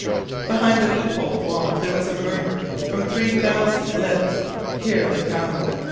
Behind the loopholed wall there was a murmur from three thousand lips 'Here they come!'